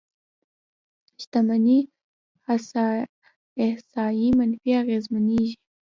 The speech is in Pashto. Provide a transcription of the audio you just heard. شتمنۍ احصایې منفي اغېزمنېږي.